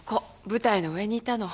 舞台の上にいたの。